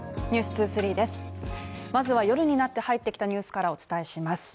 ２３ですまずは夜になって入ってきたニュースからお伝えします